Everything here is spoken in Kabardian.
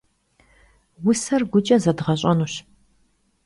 Vuser guç'e zedğeş'enuş.